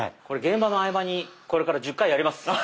これ現場の合間にこれから１０回やります。